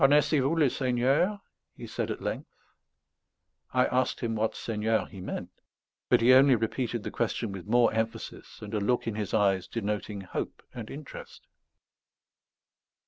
"Connaissez vous le Seigneur?" he said at length. I asked him what Seigneur he meant; but he only repeated the question with more emphasis and a look in his eyes denoting hope and interest.